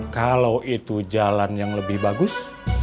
kalau itu jalan yang lebih bagus